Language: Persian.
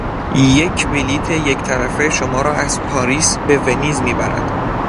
یک بلیت یک طرفه شما را از پاریس به ونیز میبرد.